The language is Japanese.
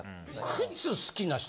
靴好きな人。